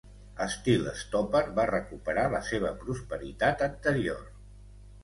Steal Stopper va recuperar la seva prosperitat anterior.